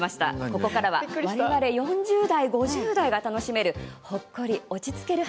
ここからは我々４０代、５０代が楽しめる、ほっこり落ち着ける